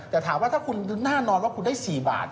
แต่ถามว่าถ้าคุณแน่นอนว่าคุณได้๔บาท